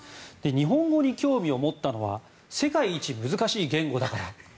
日本語に興味を持ったのは世界一難しい言語だから。